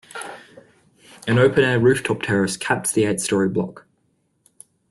An open-air rooftop terrace caps the eight-story block.